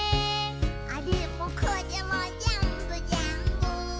「あれもこれもぜんぶぜんぶ」